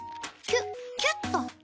キュッキュッと。